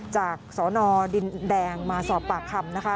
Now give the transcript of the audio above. จากสนดินแดงมาสอบปากคำนะคะ